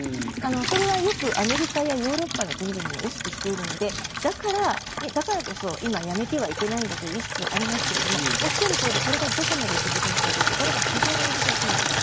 それはよくアメリカやヨーロッパの国々も意識しているので、だからこそ今やめてはいけないんだという意識もありますけど、おっしゃる通りどこまで続くのかというところが非常に難しい問題。